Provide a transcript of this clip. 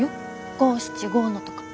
五七五のとか。